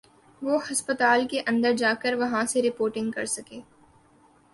وہ ہسپتال کے اندر جا کر وہاں سے رپورٹنگ کر سکے۔